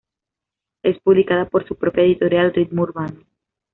Es publicada por su propia editorial: Ritmo Urbano.